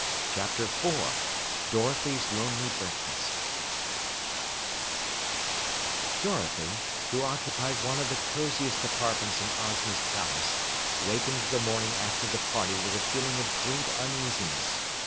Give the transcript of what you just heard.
CHAPTER 4 DOROTHY'S LONELY BREAKFAST Dorothy, who occupied one of the coziest apartments in Ozma's palace, wakened the morning after the party with a feeling of great uneasiness.